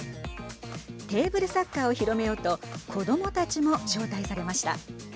テーブルサッカーを広めようと子どもたちも招待されました。